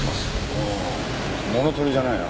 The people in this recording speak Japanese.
ああ物盗りじゃないな。